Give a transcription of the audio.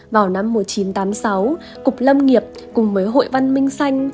vào năm một nghìn chín trăm tám mươi sáu cục lâm nghiệp cùng với hội văn minh xanh